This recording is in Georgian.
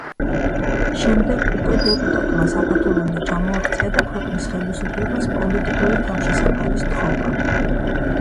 შემდეგ უკვე დეპუტატმა საქართველომდე ჩამოაღწია და ქვეყნის ხელისუფლებას პოლიტიკური თავშესაფარი სთხოვა.